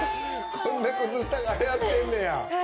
こんな靴下が流行ってんねや。